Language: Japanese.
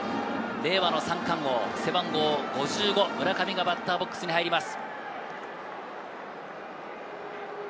令和の三冠王、背番号５５・村上がバッターボックスに入ります。